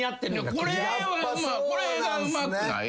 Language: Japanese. これはこれがうまくない？